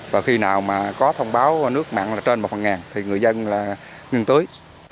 và khi nào mà có thông báo nước mặn là trên một phần ngàn thì người dân là ngừng tưới